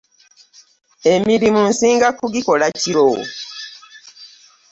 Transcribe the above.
Emirimu nsinga kugikola kiro.